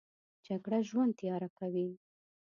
جګړه ژوند تیاره کوي